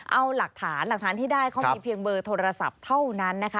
เอาหลักฐานหลักฐานที่ได้เขามีเพียงเบอร์โทรศัพท์เท่านั้นนะคะ